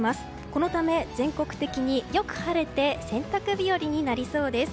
このため全国的によく晴れて洗濯日和になりそうです。